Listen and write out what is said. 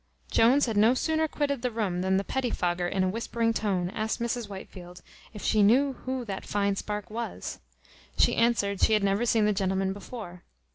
Jones had no sooner quitted the room, than the petty fogger, in a whispering tone, asked Mrs Whitefield, "If she knew who that fine spark was?" She answered, "She had never seen the gentleman before."